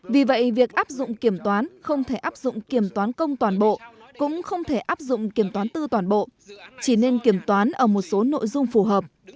vì vậy việc áp dụng kiểm toán không thể áp dụng kiểm toán công toàn bộ cũng không thể áp dụng kiểm toán tư toàn bộ chỉ nên kiểm toán ở một số nội dung phù hợp